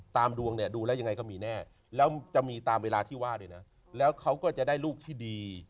ดวงเนี่ยดูแล้วยังไงก็มีแน่แล้วจะมีตามเวลาที่ว่าด้วยนะแล้วเขาก็จะได้ลูกที่ดี